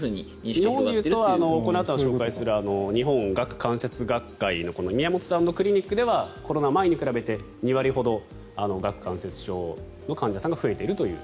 日本で言うとこのあとに紹介する日本顎関節学会の宮本さんのクリニックではコロナ前に比べて２割ほど顎関節症の患者さんが増えているという。